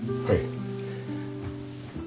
はい。